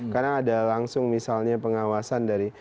karena ada langsung misalnya pengawasan dari